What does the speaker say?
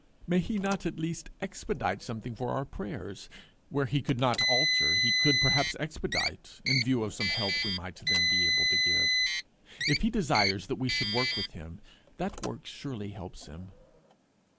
May he not at least expedite something for our prayers? Where he could not alter, he could perhaps expedite, in view of some help we might then be able to give. If he desires that we should work with him, that work surely helps him!